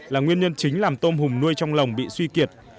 là nguyên nhân chính làm tôm hùm nuôi trong lồng bị suy kiệt